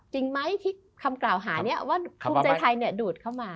จริงไหมที่คำกล่าวหานี้ว่าภูมิใจไทยดูดเข้ามา